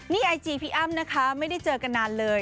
นี่ไอจีพี่อ้ำนะคะไม่ได้เจอกันนานเลย